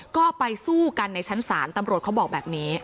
ก็ไปสู้กันในชั้นศาลตำรวจเขาบอกแบบนี้